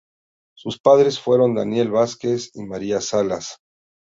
Sus padres fueron Daniel Vásquez y María Salas.